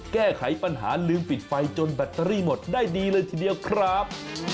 แก้ไขปัญหาลืมปิดไฟจนแบตเตอรี่หมดได้ดีเลยทีเดียวครับ